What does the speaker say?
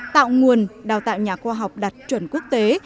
tạo nguồn đào tạo nhà khoa học đạt chuẩn quốc tế